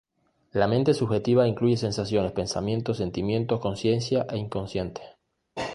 La mente subjetiva incluye sensaciones, pensamientos, sentimientos, consciencia, e inconsciente.